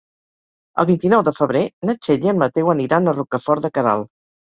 El vint-i-nou de febrer na Txell i en Mateu aniran a Rocafort de Queralt.